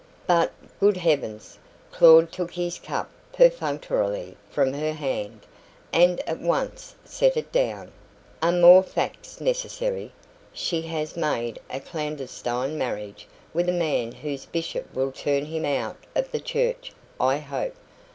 "But, good heavens!" Claud took his cup perfunctorily from her hand, and at once set it down "are more facts necessary? She has made a clandestine marriage with a man whose bishop will turn him out of the church, I hope.